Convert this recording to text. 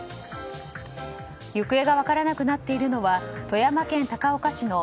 行方が分からなくなっているのは富山県高岡市の